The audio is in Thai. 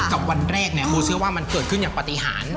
กับวันแรกเนี่ยโมเชื่อว่ามันเกิดขึ้นอย่างปฏิหาร